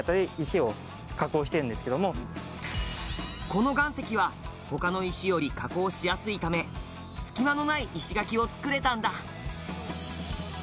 この岩石は他の石より加工しやすいため隙間のない石垣をつくれたんだ